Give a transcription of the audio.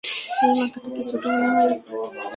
এই মাথাটা কি ছোট মনে হয়?